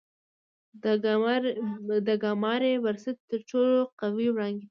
د ګاما رې برسټ تر ټولو قوي وړانګې دي.